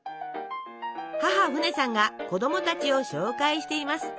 母フネさんが子供たちを紹介しています。